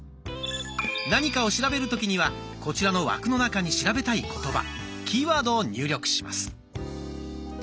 何かを調べる時にはこちらの枠の中に調べたい言葉キーワードを入力します。